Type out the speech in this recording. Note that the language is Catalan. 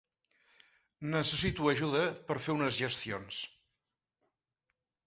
Necessito ajuda per fer unes gestions.